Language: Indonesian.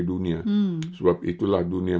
dunia sebab itulah dunia